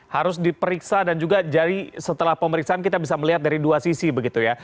harus diperiksa dan juga jadi setelah pemeriksaan kita bisa melihat dari dua sisi begitu ya